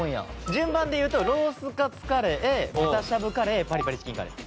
順番でいうとロースカツカレー豚しゃぶカレーパリパリチキンカレー。